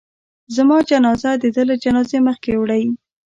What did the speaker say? زما جنازه د ده له جنازې مخکې وړئ.